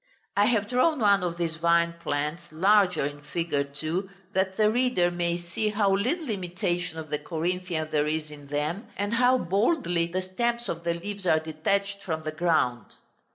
I have drawn one of these vine plants larger in fig. 2, that the reader may see how little imitation of the Corinthian there is in them, and how boldly the stems of the leaves are detached from the ground.